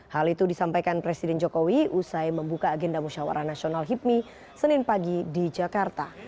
hal itu disampaikan presiden jokowi usai membuka agenda musyawarah nasional hipmi senin pagi di jakarta